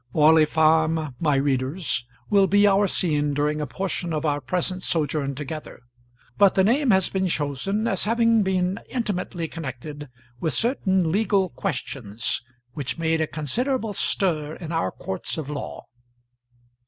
Orley Farm, my readers, will be our scene during a portion of our present sojourn together, but the name has been chosen as having been intimately connected with certain legal questions which made a considerable stir in our courts of law.